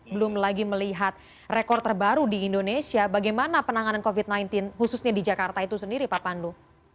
belum lagi melihat rekor terbaru di indonesia bagaimana penanganan covid sembilan belas khususnya di jakarta itu sendiri pak pandu